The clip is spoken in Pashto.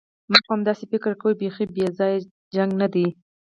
ما خو همداسې فکر کاوه، بیخي بې ځایه جګړه نه ده.